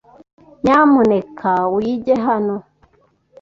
Nyamuneka wige hano.